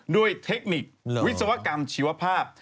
เทคนิควิศวกรรมชีวภาพ